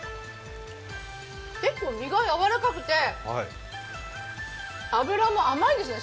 結構、身が柔らかくて脂も甘いですね。